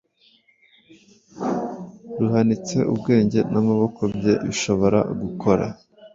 ruhanitse ubwenge n’amaboko bye bishobora gukora.